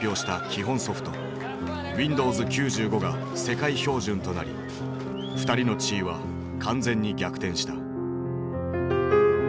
基本ソフトウィンドウズ９５が世界標準となり二人の地位は完全に逆転した。